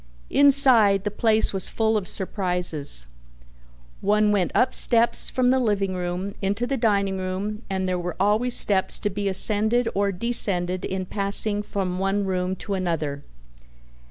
Inside, the place was full of surprises. One went up steps from the living room into the dining room and there were always steps to be ascended or descended in passing from one room to another.